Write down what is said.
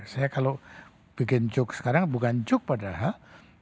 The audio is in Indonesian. saya kalau bikin joke sekarang bukan joke padahal